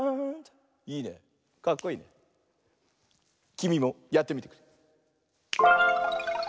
きみもやってみてくれ。